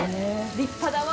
立派だわ。